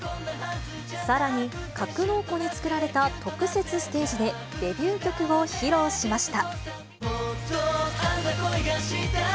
さらに、格納庫に作られた特設ステージで、デビュー曲を披露しました。